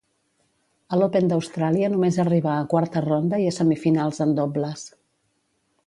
A l'Open d'Austràlia només arribà a quarta ronda i a semifinals en dobles.